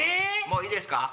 もういいですか？